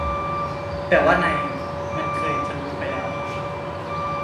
แบบว่าใน มันเคยทะลุ ไปแล้วอะ